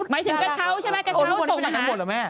หมายถึงกระเช้าใช่ไหมกระเช้าส่งขาดโอ้มันเป็นอย่างนั้นหมดหรอแม่